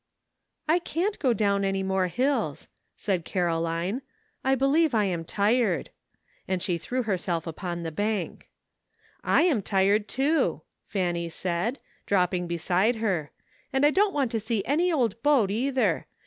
" I can't go down any more hills," said Caro line ;" I believe I am tired," and she threw herself upon the bank, "I am tired, too," Fanny said, dropping be side her, " and I don't want to see any old boat either.